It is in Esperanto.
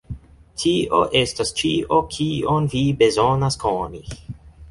Tio estas ĉio kion vi bezonas koni.